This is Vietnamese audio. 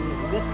nào cháu có sợ